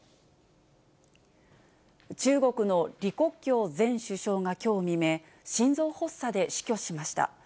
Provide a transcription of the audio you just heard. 中国の李克強前首相がきょう未明、心臓発作で死去しました。